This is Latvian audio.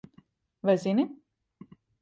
Vai zini?